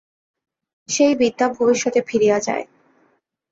সেই বিদ্যা ভবিষ্যতে ফিরিয়া যায়।